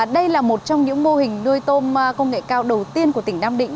đây là một trong những mô hình nuôi tôm công nghệ cao đầu tiên của tỉnh nam định